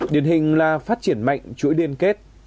điển hình là phát triển mạnh chuỗi điên kết